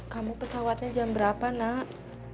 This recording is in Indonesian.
kamu pesawatnya jam berapa nak